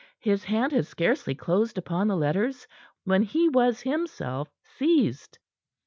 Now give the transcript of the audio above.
His hand had scarcely closed upon the letters, when he was, himself, seized.